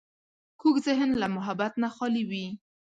کوږ ذهن له محبت نه خالي وي